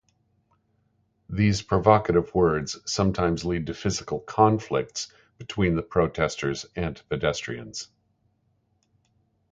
These provocative words sometimes lead to physical conflicts between the protesters and pedestrians.